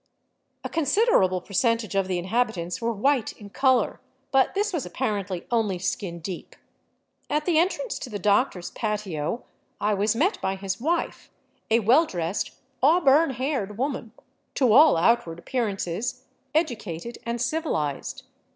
A considerable percentage of the inhabitants were white in color, but this was apparently only skin deep. At the entrance to the doctor's patio I was met by his wife, a well dressed, auburn haired woman, to all outward appearances educated and civilized.